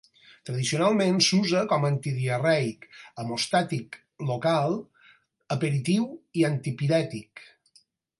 Tradicionalment s'usa com antidiarreic, hemostàtic local, aperitiu i antipirètic.